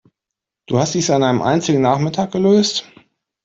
Du hast dies an einem einzigen Nachmittag gelöst?